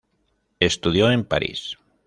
Estudió en París.